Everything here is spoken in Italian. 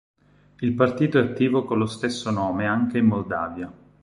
Il partito è attivo con lo stesso nome anche in Moldavia.